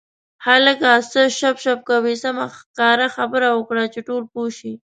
هلکه څه شپ شپ کوې سمه ښکاره خبره وکړه چې ټول پوه شي.